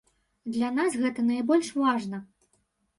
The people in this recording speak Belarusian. Для нас гэта найбольш важна.